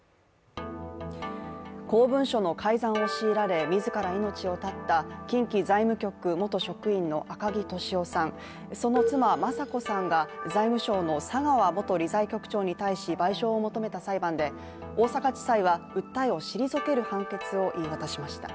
公文書の改ざんを強いられ、自ら命を絶った近畿財務局元職員の赤木俊夫さん、その妻、雅子さんが財務省の佐川元理財局長に対し賠償を求めた裁判で、大阪地裁は、訴えを退ける判決を言い渡しました。